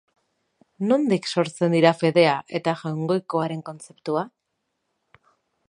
Nondik sortzen dira fedea eta jaungoikoaren kontzeptua?